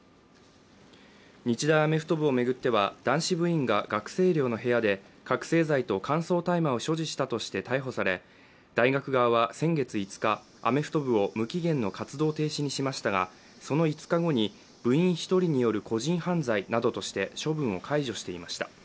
日大アメフト部を巡っては男子部員が学生寮の部屋で覚醒剤と乾燥大麻を所持したとして逮捕され大学側は、先月５日アメフト部を無期限の活動停止にしましたがその５日後に部員１人による個人犯罪などとして処分を解除していました。